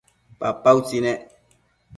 papa utsi nec